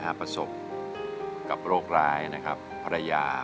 เปลี่ยนเพลงเพลงเก่งของคุณและข้ามผิดได้๑คำ